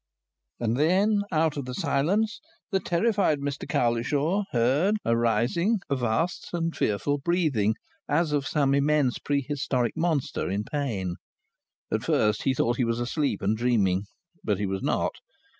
And then out of the silence the terrified Mr Cowlishaw heard arising and arising a vast and fearful breathing, as of some immense prehistoric monster in pain. At first he thought he was asleep and dreaming. But he was not.